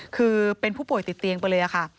คือเป็นผู้ป่วยติดเตียงไปเลยค่ะ